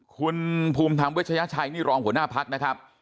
คุณภูมิธรรมวิชญาชัยรองผู้หน้าพักษณ์นะครับ